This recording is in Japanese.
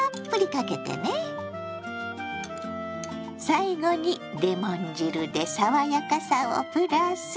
最後にレモン汁で爽やかさをプラス。